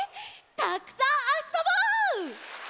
たくさんあそぼう！